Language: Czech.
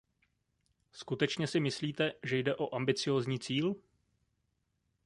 Skutečně si myslíte, že jde o ambiciózní cíl?